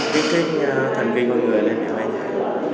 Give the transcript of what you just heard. thích thích thần kinh mọi người lên để bay nhạy